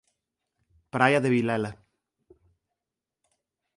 Praia de Vilela.